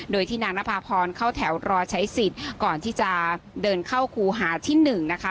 โดยที่นางนภาพรเข้าแถวรอใช้สิทธิ์ก่อนที่จะเดินเข้าครูหาที่๑นะคะ